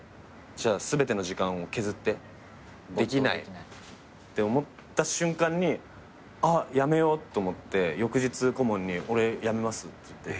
じゃあ全ての時間を削ってできないって思った瞬間にあっやめようと思って翌日顧問に俺やめますって。